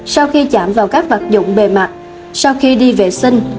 sau khi chạm vào các vật dụng bề mặt sau khi đi vệ sinh